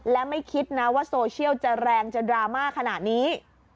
และไม่คิดนะว่าโซเชียลจะแรงจะดราม่าขนาดนี้